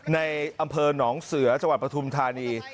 ในอำเภอหนองเสือจังหวัดปฐุมธานี